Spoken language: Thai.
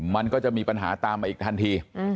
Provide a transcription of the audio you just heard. มันก็จะมีปัญหาตามมาอีกทันที